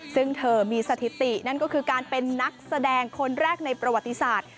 ซึ่งเธอมีสถิตินั่นก็คือการเป็นนักแสดงคนแรกในประวัติศาสตร์